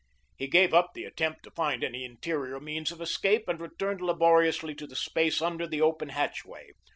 He gave up the attempt to find any interior means of escape and returned laboriously to the space under the open hatchway.